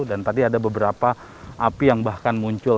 dan tadi ada beberapa api yang bahkan muncul